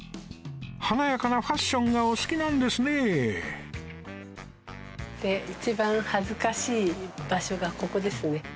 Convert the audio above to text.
華やかなファッションがお好きなんですねで一番恥ずかしい場所がここですね。